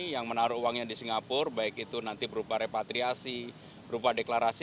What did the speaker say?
yang menaruh uangnya di singapura baik itu nanti berupa repatriasi berupa deklarasi